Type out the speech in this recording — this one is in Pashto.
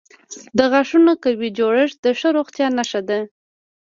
د غاښونو قوي جوړښت د ښه روغتیا نښه ده.